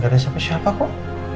gak ada siapa siapa kok